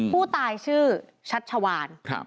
ผู้ตายชื่อชัชวาน